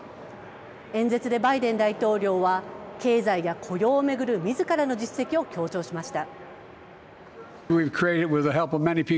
演説でバイデン大統領は経済や雇用を巡るみずからの実績を強調しました。